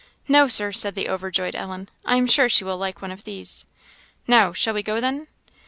"No, Sir," said the overjoyed Ellen; "I am sure she will like one of these." "Now, shall we go, then?"